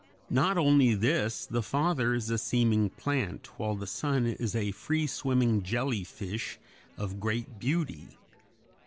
Not only this, the father is a seeming plant, while the son is a free swimming jellyfish of great beauty.